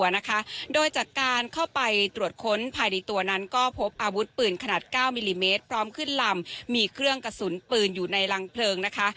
ในตัวนั้นก็พบอาวุธปืนขนาด๙มิลลิเมตรพร้อมขึ้นลำมีเครื่องกระสุนปืนอยู่ในรังเพลิงนะคะ